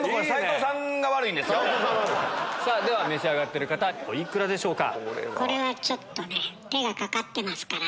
アハハハ！では召し上がってる方お幾らでしょうか？